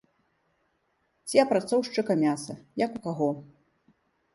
Ці апрацоўшчыка мяса, як у каго.